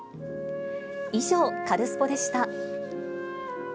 以上、カルスポっ！でした。